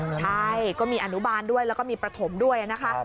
ใช่ก็มีอนุบาลด้วยแล้วก็มีประถมด้วยนะคะ